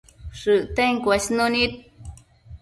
shëcten cuesnunid